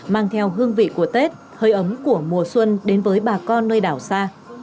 mang theo hương vị của tết hơi ấm của mùa xuân đến với bà con nơi đảo xa